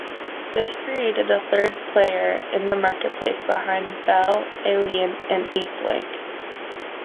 This created a third player in the marketplace behind Bell Aliant and Eastlink.